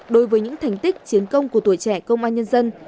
đối với những thành tích chiến công của tuổi trẻ công an nhân dân